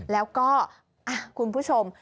แล้วก็อ่าวคุณผู้ชม